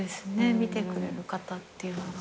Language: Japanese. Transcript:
見てくれる方っていうのが。